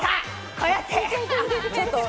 こうやって。